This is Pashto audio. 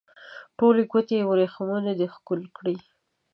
ټولې ګوتې یې وریښمو دي ښکل کړي